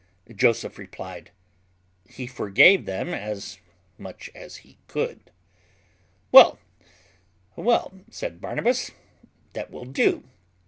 Joseph replied, "He forgave them as much as he could." "Well, well," said Barnabas, "that will do."